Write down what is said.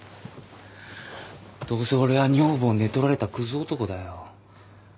どうせ俺は女房寝取られたくず男だよ。